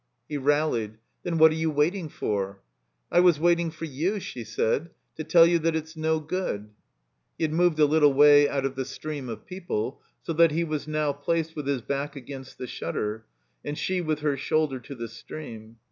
He rallied. "Then what are you waiting for?" "I was waiting for you," she said, "to tell you that it's no good." He had moved a little way out of the stream of people, so that he was now placed with his back against the shutter, and she with her shoulder to the stream.